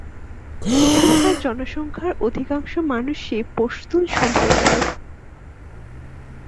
এখানকার জনসংখ্যার অধিকাংশ মানুষই পশতুন সম্প্রদায়ের।